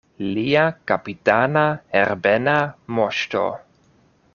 Lia kapitana Herbena Moŝto!